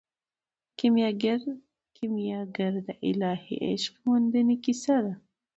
کیمیاګر د الهي عشق موندنې کیسه ده.